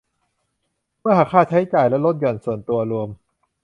เมื่อหักค่าใช้จ่ายและลดหย่อนส่วนตัวรวม